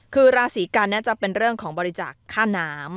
คือราศีกันจะเป็นเรื่องของบริจาคค่าน้ำ